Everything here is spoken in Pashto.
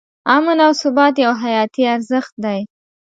امن او ثبات یو حیاتي ارزښت دی.